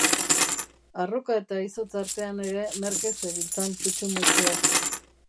Arroka eta izotz artean ere merke zebiltzan txutxu-mutxuak.